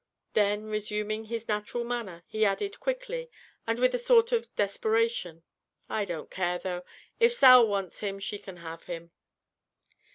Then resuming his natural manner, he added, quickly, and with a sort of desperation, "I don't care though. If Sal wants him, she can have him."